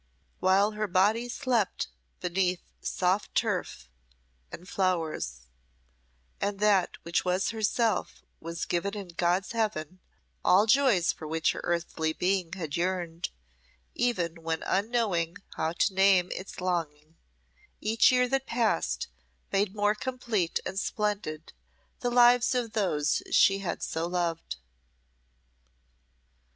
While her body slept beneath soft turf and flowers, and that which was her self was given in God's heaven, all joys for which her earthly being had yearned, even when unknowing how to name its longing, each year that passed made more complete and splendid the lives of those she so had loved.